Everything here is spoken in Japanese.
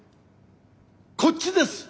こっちです。